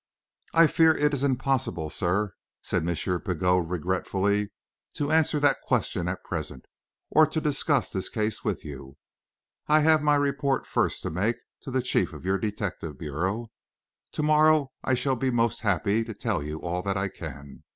"I fear it is impossible, sir," said M. Pigot, regretfully, "to answer that question at present, or to discuss this case with you. I have my report first to make to the chief of your detective bureau. To morrow I shall be most happy to tell you all that I can.